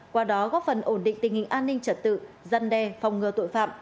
qua đó góp phần ổn định tình hình an ninh trật tự dân đe phòng ngừa tội phạm